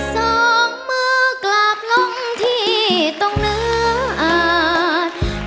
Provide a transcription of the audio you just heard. สองมือกลับลงที่ตรงเนื้ออาจ